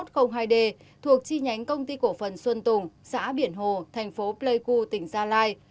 cơ giới tám nghìn một trăm linh hai d thuộc chi nhánh công ty cổ phần xuân tùng xã biển hồ tp playcu tỉnh gia lai